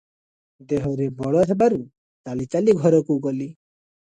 ଦେହରେ ବଳ ହେବାରୁ ଚାଲି ଚାଲି ଘରକୁ ଗଲି ।